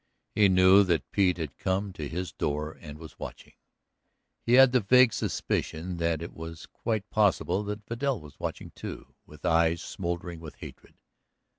He knew that Pete had come to his door and was watching; he had the vague suspicion that it was quite possible that Vidal was watching, too, with eyes smouldering with hatred.